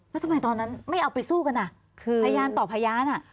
แล้วทำไมตอนนั้นไม่เอาไปสู้กันอ่ะคือพยานต่อพยานอ่ะ